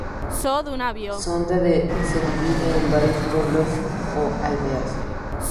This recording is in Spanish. Sonda se divide en varios pueblos o aldeas.